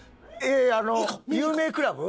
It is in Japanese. あの有名クラブ？